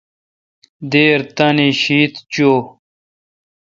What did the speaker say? دیر تانی شیتھ چویں۔